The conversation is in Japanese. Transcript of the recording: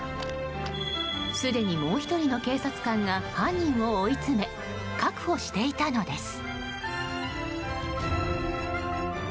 すでにもう１人の警察官が犯人を追い詰め確保していたのです。